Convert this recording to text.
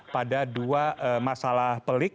pada dua masalah pelik